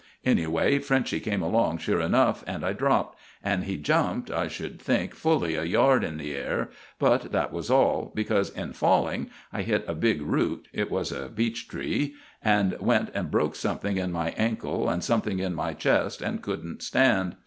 Anyway, Frenchy came along sure enough, and I dropped, and he jumped I should think fully a yard in the air; but that was all, because in falling I hit a big root (it was a beech tree), and went and broke something in my ankle and something in my chest and couldn't stand.